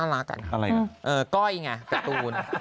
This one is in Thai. อะไรนะก้อยไงการ์ตูน